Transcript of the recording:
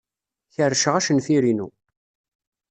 Kerrceɣ acenfir-inu.